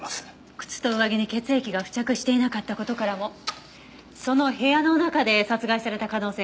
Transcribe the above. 靴と上着に血液が付着していなかった事からもその部屋の中で殺害された可能性が考えられます。